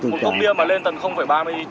chú không dám uống nhiều đâu đọc cốc bia chú biết